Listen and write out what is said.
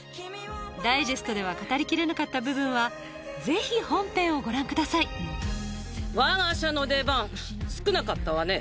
ダイジェストでは語りきれなかった部分はぜひ本編をご覧ください我が社の出番少なかったわね